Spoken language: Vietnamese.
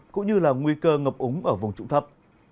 cũng như là nguy cơ ngập úng ở vùng trụng thấp